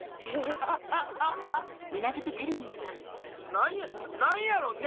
何や何やろね？